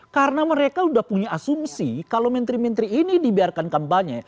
karena mereka udah punya asumsi kalau menteri menteri ini dibiarkan kampanye